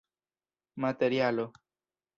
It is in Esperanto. materialo